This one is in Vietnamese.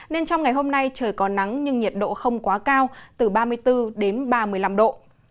nên trong ngày hôm nay trời có nắng nhưng nhiệt độ không quá cao từ ba mươi bốn đến ba mươi năm độ